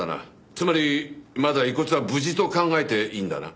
つまりまだ遺骨は無事と考えていいんだな？